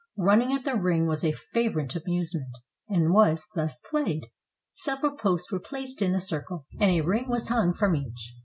Running at the ring was a favorite amusement, and was thus played: Several posts were placed in a circle, and a ring was hung from each.